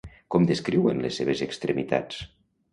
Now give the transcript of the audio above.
Com descriuen les seves extremitats?